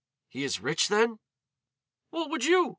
"He is rich then?" "What would you?